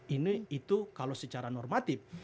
ini itu kalau secara normatif